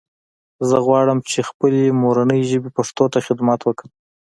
زه غواړم چې خپلې مورنۍ ژبې پښتو ته خدمت وکړم